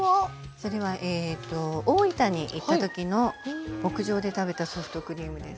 それは大分に行った時の牧場で食べたソフトクリームです。